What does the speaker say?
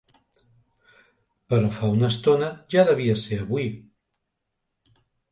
Però fa una estona ja devia ser avui.